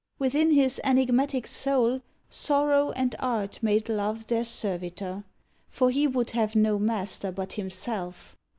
Within his enigmatic soul Sorrow and Art made Love their servitor, For he would have no master but himself.